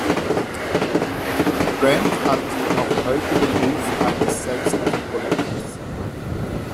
Grant hat noch heute den Ruf eines selbstlosen Politikers.